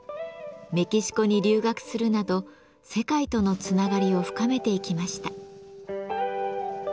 メキシコに留学するなど世界とのつながりを深めていきました。